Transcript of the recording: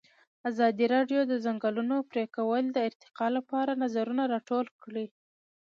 ازادي راډیو د د ځنګلونو پرېکول د ارتقا لپاره نظرونه راټول کړي.